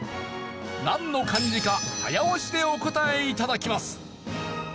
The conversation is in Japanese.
なんの漢字か早押しでお答え頂きます。